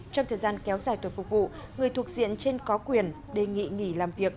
trong thời gian kéo dài tuổi phục vụ người thuộc diện trên có quyền đề nghị nghỉ làm việc